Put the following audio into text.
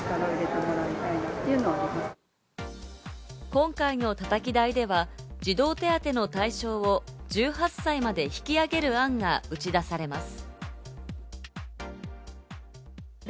今回のたたき台では、児童手当の対象を１８歳まで引き上げる案が打ち出されます。